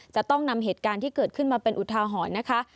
จะต้องนำเหตุการณ์ที่เกิดขึ้นมาเป็นอุทาหรณ์นะคะ